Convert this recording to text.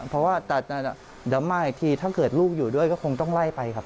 เพราะว่าแต่เดี๋ยวมาอีกทีถ้าเกิดลูกอยู่ด้วยก็คงต้องไล่ไปครับ